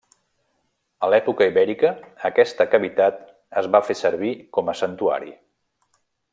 A l'època ibèrica aquesta cavitat es va fer servir com a santuari.